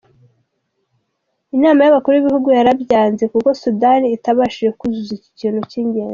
Inama y’abakuru b’ibihugu yarabyanze kuko Sudani itabashije kuzuza iki kintu cy’ingenzi.